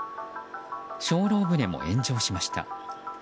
精霊船も炎上しました。